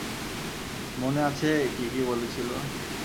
মনে আছে যী কী বলেছিল?